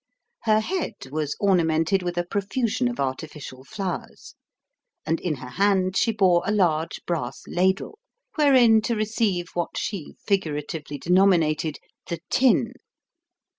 Her head was ornamented with a profusion of artificial flowers ; and in her hand she bore a large brass ladle, wherein to receive what she figuratively denominated " the tin."